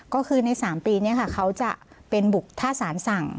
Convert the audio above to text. ก็คือใน๓ปีนี้ค่ะเขาจะเป็นบุกท่าสารสั่ง